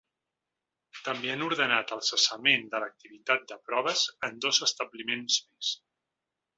També han ordenat el cessament de l’activitat de proves en dos establiments més.